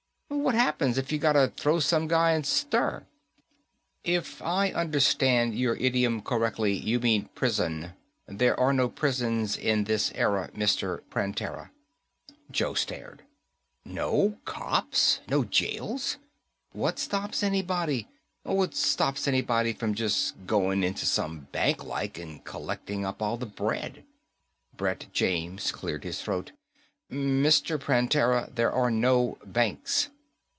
What happens if you gotta throw some guy in stir?" "If I understand your idiom correctly, you mean prison. There are no prisons in this era, Mr. Prantera." Joe stared. "No cops, no jails. What stops anybody? What stops anybody from just going into some bank, like, and collecting up all the bread?" Brett James cleared his throat. "Mr. Prantera, there are no banks."